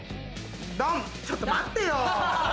ちょっと待ってよ。